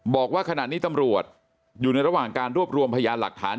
บอกว่าขณะนี้ตำรวจอยู่ในระหว่างการรวบรวมพยานหลักฐาน